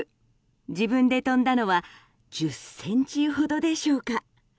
自分で飛んだのは１０ｃｍほどでしょうか。